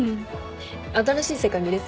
新しい世界見れそう？